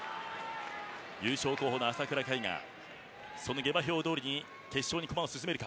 優勝候補の朝倉海がその下馬評どおりに決勝に駒を進めるか。